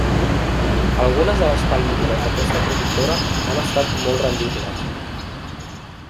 Algunes de les pel·lícules d'aquesta productora han estat molt rendibles.